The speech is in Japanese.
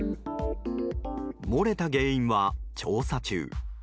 漏れた原因は調査中。